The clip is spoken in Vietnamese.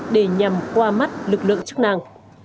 để nhằm qua mắt lực lượng chức năng